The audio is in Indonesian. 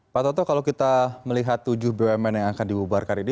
pak toto kalau kita melihat tujuh bumn yang akan dibubarkan ini